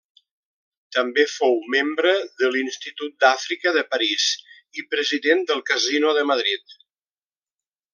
També fou membre de l'Institut d'Àfrica de París i president del Casino de Madrid.